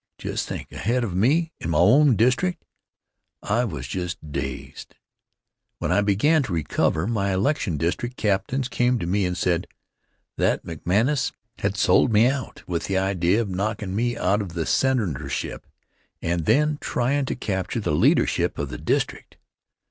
Just think! Ahead of me in my own district! I was just dazed. When I began to recover, my election district captains came to me and said that McManus had sold me out with the idea of knockin' me out of the Senatorship, and then tryin' to capture the leadership of the district.